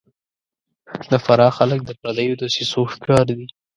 د فراه خلک د پردیو دسیسو ښکار دي